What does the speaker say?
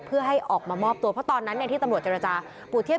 เพื่อให้ออกมาออบตัวเพราะตอนนั้นที่กปู่เทียบ